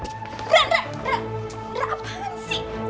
indra apaan sih